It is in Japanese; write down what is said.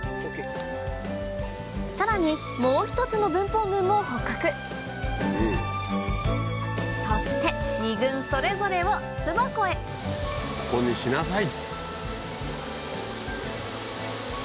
さらにもう１つの分蜂群も捕獲そして２群それぞれを巣箱へここにしなさい。